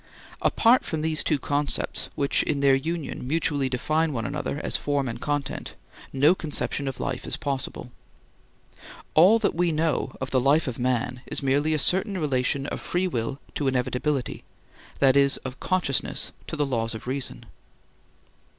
Apart from these two concepts which in their union mutually define one another as form and content, no conception of life is possible. All that we know of the life of man is merely a certain relation of free will to inevitability, that is, of consciousness to the laws of reason.